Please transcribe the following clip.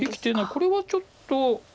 これはちょっと。